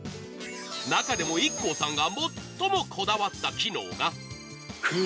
中でもＩＫＫＯさんが最もこだわった機能が。